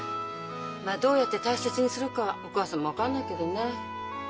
まっどうやって大切にするかはお母さんも分かんないけどね。